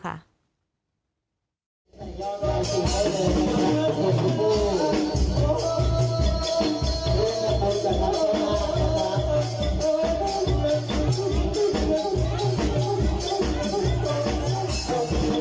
กลับมา